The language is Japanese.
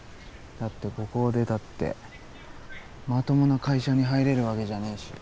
だってここを出たってまともな会社に入れるわけじゃねえし。